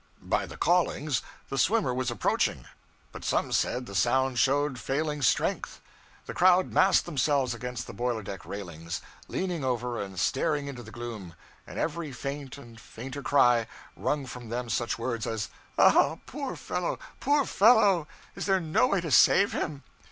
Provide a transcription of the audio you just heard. By the callings, the swimmer was approaching, but some said the sound showed failing strength. The crowd massed themselves against the boiler deck railings, leaning over and staring into the gloom; and every faint and fainter cry wrung from them such words as, 'Ah, poor fellow, poor fellow! is there no way to save him?'